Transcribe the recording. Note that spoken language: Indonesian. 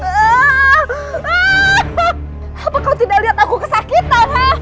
apa kau tidak lihat aku kesakitan